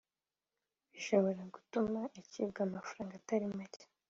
bishobora gutuma icibwa amafaranga atari make